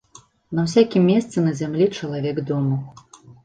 На ўсякім месцы на зямлі чалавек дома.